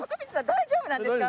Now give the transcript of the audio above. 大丈夫なんですか？